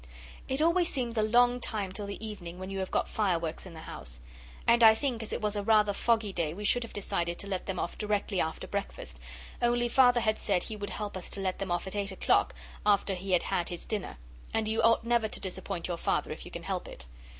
It always seems a long time till the evening when you have got fireworks in the house, and I think as it was a rather foggy day we should have decided to let them off directly after breakfast, only Father had said he would help us to let them off at eight o'clock after he had had his dinner, and you ought never to disappoint your father if you can help it.